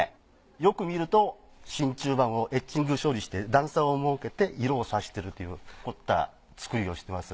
よく見ると真鍮板をエッチング処理して段差を設けて色をさしてるという凝った造りをしてます。